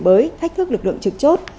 bới thách thức lực lượng trực chốt